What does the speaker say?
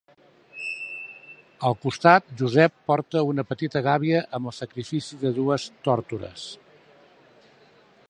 Al costat, Josep porta una petita gàbia amb el sacrifici de dues tórtores.